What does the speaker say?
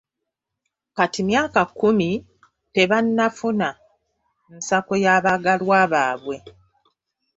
Kati emyaka kkumi tebannafuna nsako y'abaagalwa baabwe.